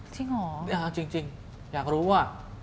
จริงเหรอจริงอยากรู้อ่ะ